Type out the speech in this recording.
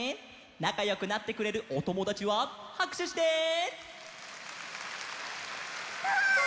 なかよくなってくれるおともだちははくしゅして！わ！